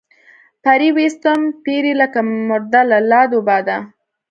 پرې ويستم پيرۍ لکه مرده لۀ لاد وباده